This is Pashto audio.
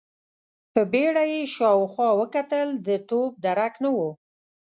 په بيړه يې شاوخوا وکتل، د توپ درک نه و.